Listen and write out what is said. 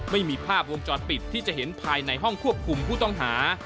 ไม่มีภาพวงจรปิดที่จะเห็นภายในห้องควบคุมผู้ต้องหา